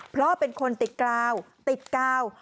เพราะเป็นคนติดกราวติดกาว